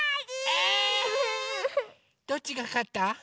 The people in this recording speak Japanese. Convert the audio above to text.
えっ⁉どっちがかった？